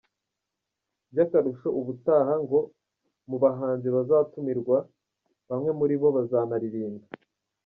By'akarusho ubutaha, ngo mu bahanzi bazatumirwa, bamwe muri bo bazanaririmba.